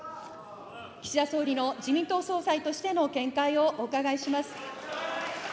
岸田総理の自民党総裁としての見解をお伺いします。